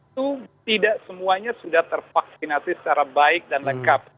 itu tidak semuanya sudah tervaksinasi secara baik dan lengkap